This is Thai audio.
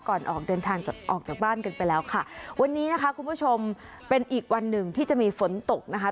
ออกเดินทางออกจากบ้านกันไปแล้วค่ะวันนี้นะคะคุณผู้ชมเป็นอีกวันหนึ่งที่จะมีฝนตกนะคะ